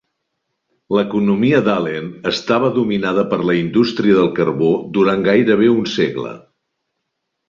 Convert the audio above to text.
L'economia d'Ahlen estava dominada per la indústria del carbó durant gairebé un segle.